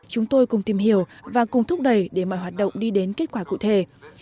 chúng tôi cùng tìm hiểu và cùng thúc đẩy để mọi hoạt động đi đến kết quả cụ thể